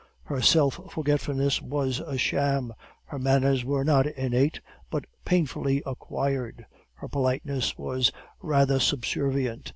Her self forgetfulness was a sham, her manners were not innate but painfully acquired, her politeness was rather subservient.